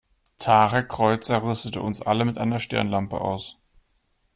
Tarek Kreuzer rüstete uns alle mit einer Stirnlampe aus.